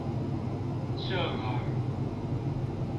順耳